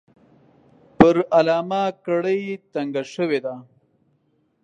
پر علامه کړۍ تنګه شوې ده.